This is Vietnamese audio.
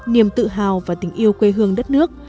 niềm tự hào và tình yêu quê hương đất nước